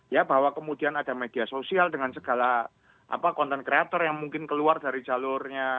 ya bahwa kemudian ada media sosial dengan segala content creator yang mungkin keluar dari jalurnya